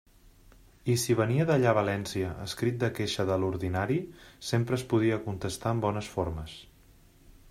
I, si venia d'allà València escrit de queixa de l'ordinari, sempre es podia contestar amb bones formes.